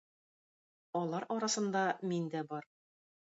Алар арасында мин дә бар.